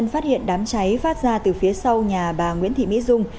phát hiện đám cháy phát ra từ phía sau nhà bà nguyễn thị mỹ dung